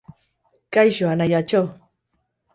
Kaixo, anaiatxo.